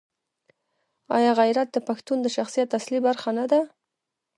آیا غیرت د پښتون د شخصیت اصلي برخه نه ده؟